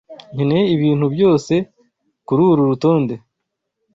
Nkeneye ibintu byose kururu rutonde.